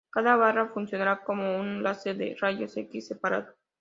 Cada barra funcionaria como un láser de rayos-X separado.